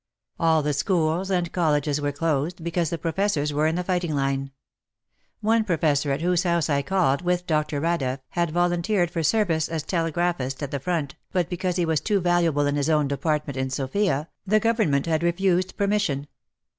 All the schools and colleges w^ere closed, because the professors were in the fighting line. One professor at whose house I called with Dr. Radeff, had volunteered for service as telegraphist at the front, but because he was too valuable in his own department in Sofia, the Government had refused permission.